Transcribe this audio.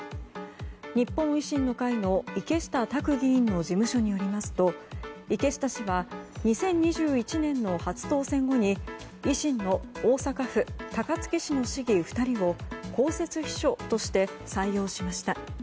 日本維新の会の池下卓議員の事務所によりますと池下氏は２０２１年の初当選後に維新の大阪府高槻市の市議２人を公設秘書として採用しました。